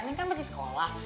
neng kan masih sekolah